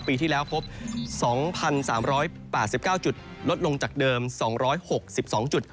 ปีที่แล้วพบ๒๓๘๙จุดลดลงจากเดิม๒๖๒จุด